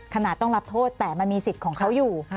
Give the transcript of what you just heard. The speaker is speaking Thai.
ต้องรับโทษแต่มันมีสิทธิ์ของเขาอยู่